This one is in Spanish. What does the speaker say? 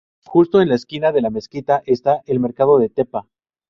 Justo en la esquina de la mezquita está el mercado de Tepa.